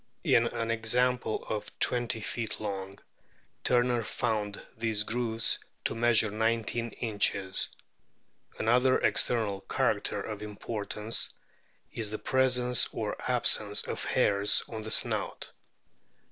In an example of twenty feet long Turner found these grooves to measure nineteen inches. Another external character of importance is the presence or absence of hairs on the snout.